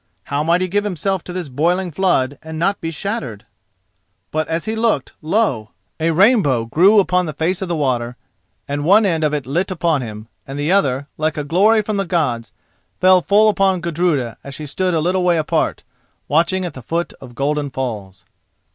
How might he give himself to this boiling flood and not be shattered? But as he looked, lo! a rainbow grew upon the face of the water, and one end of it lit upon him, and the other, like a glory from the Gods, fell full upon Gudruda as she stood a little way apart, watching at the foot of Golden Falls.